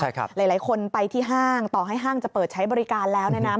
หลายคนไปที่ห้างต่อให้ห้างจะเปิดใช้บริการแล้วนะ